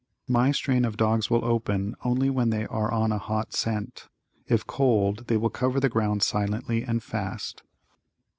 My strain of dogs will open only when they are on a hot scent; if cold, they will cover the ground silently and fast.